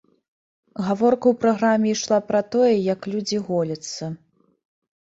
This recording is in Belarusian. Гаворка ў праграме ішла пра тое, як людзі голяцца.